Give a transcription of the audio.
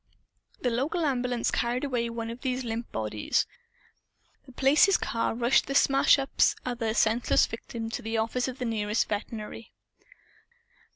The local ambulance carried away one of these limp bodies. The Place's car rushed the smash up's other senseless victim to the office of the nearest veterinary.